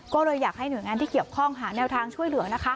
ก็เลยอยากให้หน่วยงานที่เกี่ยวข้องหาแนวทางช่วยเหลือนะคะ